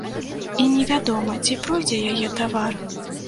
І невядома, ці пройдзе яе тавар.